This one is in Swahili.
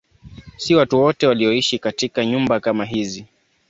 Si watu wote walioishi katika nyumba kama hizi.